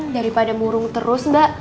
daripada murung terus mbak